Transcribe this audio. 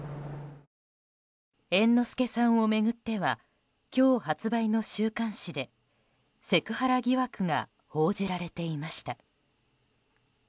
猿之助さんを巡っては今日発売の週刊誌でセクハラ疑惑が報じられていました。